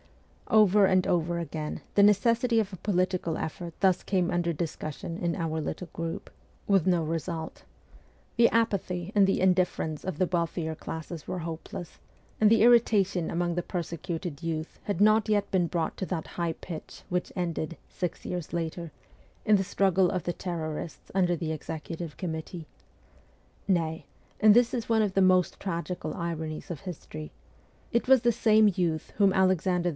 Over and over again the necessity of a political effort thus came under discussion in our little group, 106 MEMOIRS OF A REVOLUTIONIST with no result. The apathy and the indifference of the wealthier classes were hopeless, and the irritation among the persecuted youth had not yet been brought to that high pitch which ended, six years later, in the struggle of the terrorists under the Executive Com mittee. Nay and this is one of the most tragical ironies of history it was the same youth whom Alexander II.